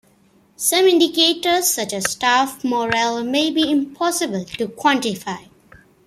Some indicators such as staff morale may be impossible to quantify.